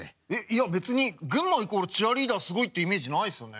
いや別に群馬イコールチアリーダーすごいってイメージないですよね。